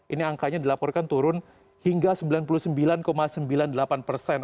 ini angkanya dilaporkan turun hingga sembilan puluh sembilan sembilan puluh delapan persen